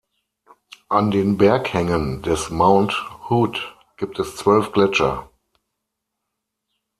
An den Berghängen des Mount Hood gibt es zwölf Gletscher.